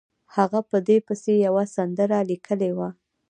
هغه په دې پسې یوه سندره لیکلې وه.